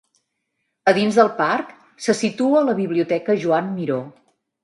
A dins del parc se situa la biblioteca Joan Miró.